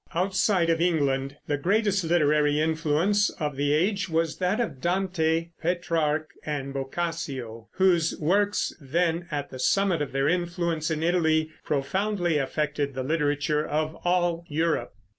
Outside of England the greatest literary influence of the age was that of Dante, Petrarch, and Boccaccio, whose works, then at the summit of their influence in Italy, profoundly affected the literature of all Europe.